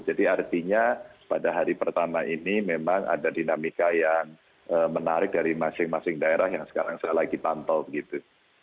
jadi artinya pada hari pertama ini memang ada dinamika yang menarik dari masing masing daerah yang sekarang saya lagi pantau gitu